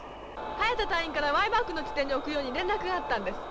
ハヤタ隊員からＹマークの地点に置くように連絡があったんです。